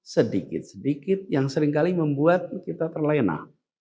sedikit sedikit yang seringkali membuat kita terlena